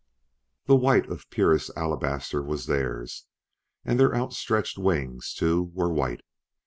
The white of purest alabaster was theirs; and their outstretched wings, too, were white.